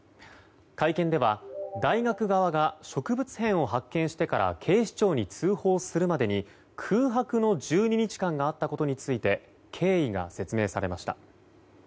会見では大学側が植物片を発見してから警視庁に通報するまでに空白の１２日間があったことについて経緯が説明されました。